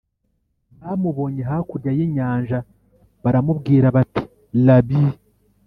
Bamubonye hakurya y inyanja baramubwira bati Rabi